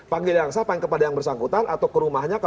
panggilan yang satu paling kepada yang bersangkutan atau ke rumahnya